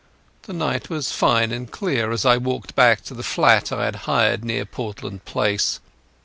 The night was fine and clear as I walked back to the flat I had hired near Portland Place.